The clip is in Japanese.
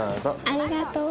ありがとう。